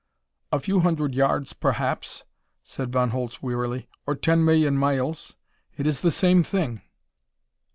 "A few hundred yards, perhaps," said Von Holtz wearily, "or ten million miles. It is the same thing.